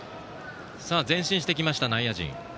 前進してきました、内野陣。